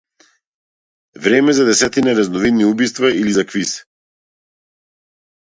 Време за десетина разновидни убиства или за квиз?